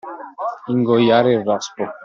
Ingoiare il rospo.